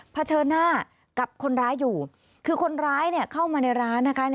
เฉินหน้ากับคนร้ายอยู่คือคนร้ายเข้ามาในร้านนะคะ